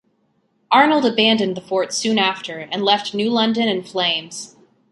Arnold abandoned the fort soon after and left New London in flames.